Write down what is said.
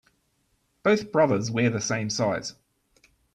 Both brothers wear the same size.